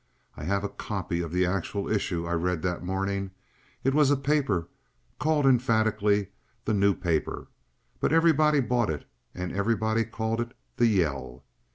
I have a copy of the actual issue I read that morning; it was a paper called emphatically the New Paper, but everybody bought it and everybody called it the "yell."